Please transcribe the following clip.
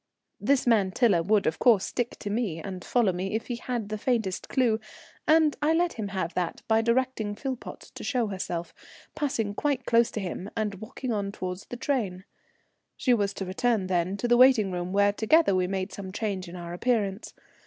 This Tiler man would of course stick to me and follow me if he had the faintest clue, and I let him have that by directing Philpotts to show herself, passing quite close to him and walking on towards the train. She was to return then to the waiting room, where together we made some change in our appearance.